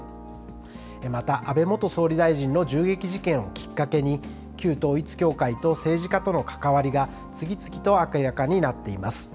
また安倍元総理大臣の銃撃事件をきっかけに、旧統一教会と政治家との関わりが次々と明らかになっています。